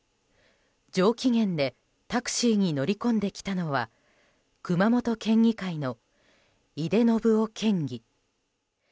上機嫌でタクシーに乗り込んできたのは熊本県議会の井手順雄県議。